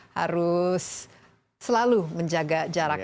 terus selalu menjaga jarak